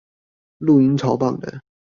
錄音超棒的